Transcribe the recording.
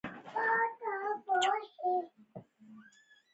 او د مستۍ او رنګينۍ شاعري ئې ډېره کمه کړي ده،